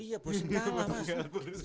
iya bosen kalah